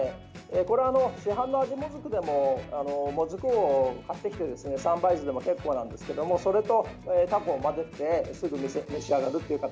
これは市販の味もずくでももずくを買ってきて三杯酢でも結構なんですけれどもそれと、タコと混ぜてすぐ召し上がるという形。